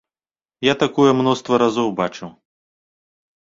Я такое мноства разоў бачыў.